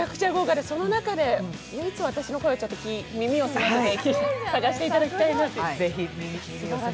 その中で唯一、私の声に耳を澄ませて探していただきたいなって。